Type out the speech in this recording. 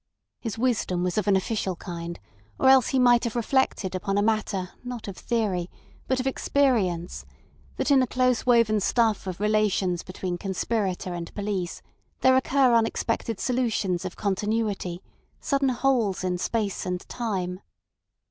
His wisdom was of an official kind, or else he might have reflected upon a matter not of theory but of experience that in the close woven stuff of relations between conspirator and police there occur unexpected solutions of continuity, sudden holes in space and time.